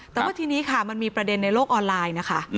แต่ว่าทีนี้ค่ะมันมีประเด็นในโลกออนไลน์นะคะ